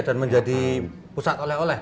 dan menjadi pusat oleh oleh